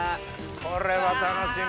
これは楽しみ。